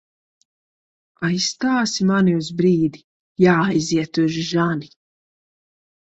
Aizstāsi mani uz brīdi? Jāaiziet uz žani.